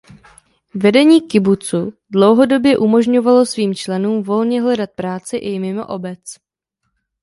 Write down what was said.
Vedení kibucu dlouhodobě umožňovalo svým členům volně hledat práci i mimo obec.